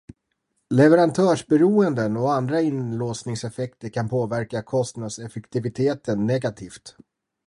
Leverantörsberoenden och andra inlåsningseffekter kan påverka kostnadseffektiviteten negativt.